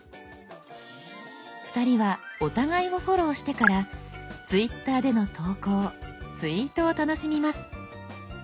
２人はお互いをフォローしてから「Ｔｗｉｔｔｅｒ」での投稿「ツイート」を楽しみます。